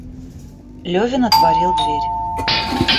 Левин отворил дверь.